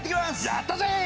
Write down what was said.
やったぜ！